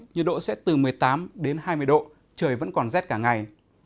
nhiệt độ sẽ từ một mươi tám đến hai mươi độ trời vẫn còn rét cả ngày